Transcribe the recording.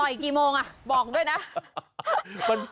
อีกกี่โมงอ่ะบอกด้วยนะ